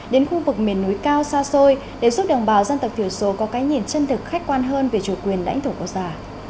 đến khu vực miền núi cao xa xôi để giúp đồng bào dân tộc thiểu số có cái nhìn chân thực khách quan hơn về chủ quyền lãnh thổ quốc gia